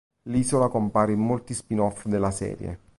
L'isola compare in molti spin-off della serie.